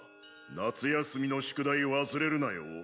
夏休みの宿題忘れるなよ。